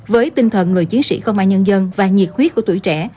với tinh thần người chiến sĩ công an nhân dân và nhiệt huyết của tuổi trẻ